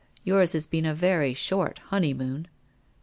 Yours has been a very short honeymoon.'